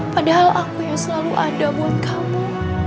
padahal aku yang selalu ada buat kamu